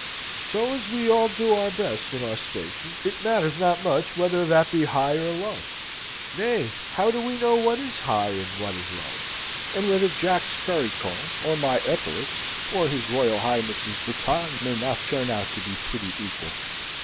So as we all do our best in our station, it matters not much whether that be high or low. Nay, how do we know what is high and what is low? and whether Jack's currycomb, or my epaulets, or his Royal Highness's baton, may not turn out to be pretty equal?